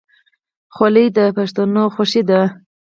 خولۍ د پښتنو خوښي ده.